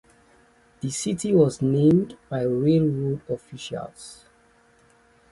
The city was named by railroad officials.